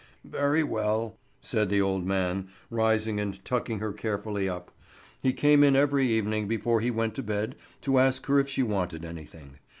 "Very well," said the old man, rising and tucking her carefully up. He came in every evening before he went to bed to ask her if she wanted anything.